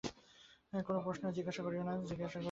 কোন প্রশ্ন জিজ্ঞাসা করিও না।